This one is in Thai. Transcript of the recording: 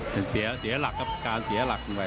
การเสียหลักแบบนี้